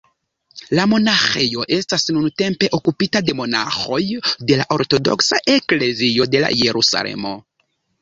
La monaĥejo estas nuntempe okupita de monaĥoj de la Ortodoksa Eklezio de Jerusalemo.